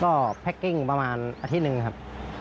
ก็แพ็กกิ้งประมาณอาทิตย์หนึ่งครับ